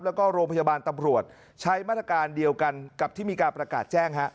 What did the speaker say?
แล้วก็โรงพยาบาลตำรวจใช้มาตรการเดียวกันกับที่มีการประกาศแจ้ง